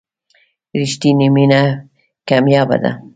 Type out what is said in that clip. رښتینې مینه کمیابه ده.